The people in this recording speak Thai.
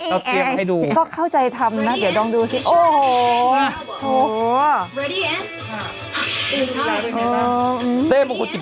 เอ่อเอ๊เอ้ยเอ๊ก็เข้าใจทำนะเดี๋ยวลองดูสิโอ้โห